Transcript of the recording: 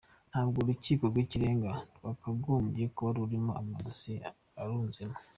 Ntabwo urukiko rw’ikirenga rwakagombye kuba rurimo amadosiye arunzemo.